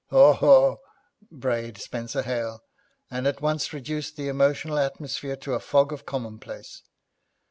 'Haw haw,' brayed Spenser Hale, and at once reduced the emotional atmosphere to a fog of commonplace.